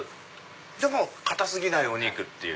でも硬過ぎないお肉っていう。